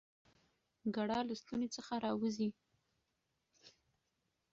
ګړه له ستوني څخه راوزي؟